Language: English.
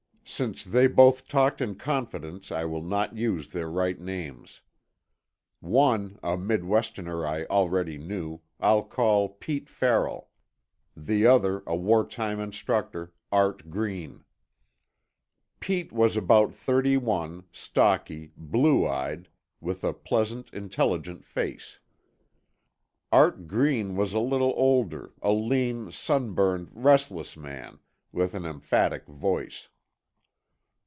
Since they both talked in confidence, I will not use their right names. One, a Midwesterner I already knew, I'll call Pete Farrell; the other, a wartime instructor, Art Green. Pete was about thirty one, stocky, blue eyed, with a pleasant, intelligent face. Art Green was a little older, a lean, sunburned, restless man with an emphatic voice.